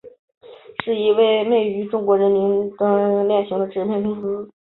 是一家位于日本大阪府大阪市北区的男同性恋色情片制片公司。